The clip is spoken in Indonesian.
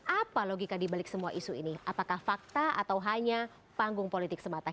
apa logika dibalik semua isu ini apakah fakta atau hanya panggung politik semata